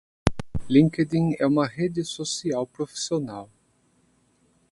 LinkedIn é uma rede social profissional.